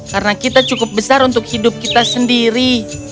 karena kita cukup besar untuk hidup kita sendiri